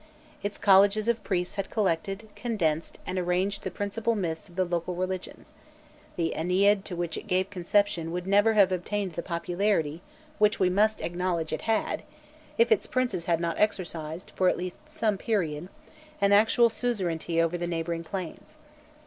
Its colleges of priests had collected, condensed, and arranged the principal myths of the local religions; the Ennead to which it gave conception would never have obtained the popularity which we must acknowledge it had, if its princes had not exercised, for at least some period, an actual suzerainty over the neighbouring plains.